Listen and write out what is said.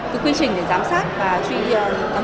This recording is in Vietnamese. theo đúng tiêu chuẩn của chính trị cho ông